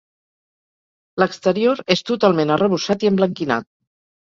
L'exterior és totalment arrebossat i emblanquinat.